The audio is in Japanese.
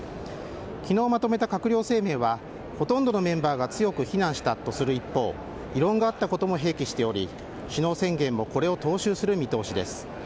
昨日まとめた閣僚声明はほとんどのメンバーが強く非難したとする一方異論があったことも併記しており首脳宣言もこれを踏襲する見通しです。